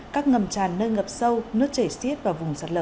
các ngầm tràn nơi ngập sâu nước chảy xiết và vùng sạt lở